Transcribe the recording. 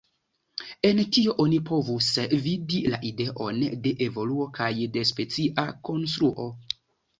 En tio oni povus vidi la ideon de evoluo kaj de specia konstruo.